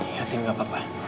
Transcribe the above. iya tidak apa apa